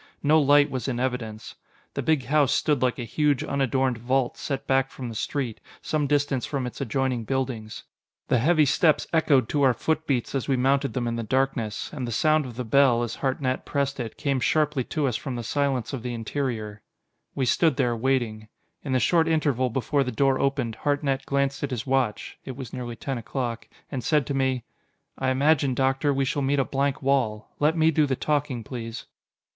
No light was in evidence. The big house stood like a huge, unadorned vault set back from the street, some distance from its adjoining buildings. The heavy steps echoed to our footbeats as we mounted them in the darkness; and the sound of the bell, as Hartnett pressed it came sharply to us from the silence of the interior. We stood there, waiting. In the short interval before the door opened, Hartnett glanced at his watch (it was nearly ten o'clock), and said to me: "I imagine, Doctor, we shall meet a blank wall. Let me do the talking, please."